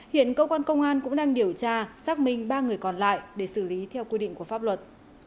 hiện cơ quan công an cũng đang điều tra xác minh ba người còn lại để xử lý theo quy định của pháp luật